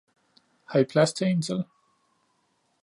Har I plads til en til?